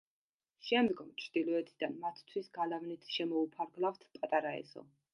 შემდგომ, ჩრდილოეთიდან, მათთვის გალავნით შემოუფარგლავთ პატარა ეზო.